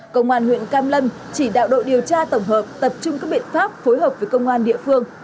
công an huyện cam lâm chỉ đạo đội điều tra tổng hợp tập trung các biện pháp phối hợp với công an địa phương